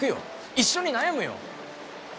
一緒に悩むよ！